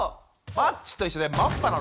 マッチと一緒で「マッパ」なのかな？